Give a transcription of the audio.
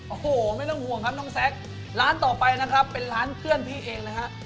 โอ้โหไม่ต้องห่วงครับน้องแซคร้านต่อไปนะครับเป็นร้านเพื่อนพี่เองนะฮะ